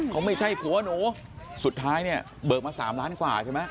เขาไม่ใช่ผัวหนูสุดท้ายเนี่ยเบิกมา๓ล้านกว่าใช่ไหม